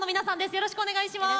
よろしくお願いします。